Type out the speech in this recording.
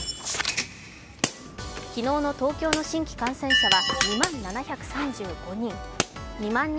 昨日の東京の新規感染者は２万７３５人。